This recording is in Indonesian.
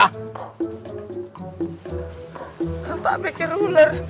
aku gak mau digigit ular